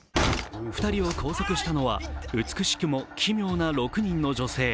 ２人を拘束したのは美しくも奇妙な６人の女性。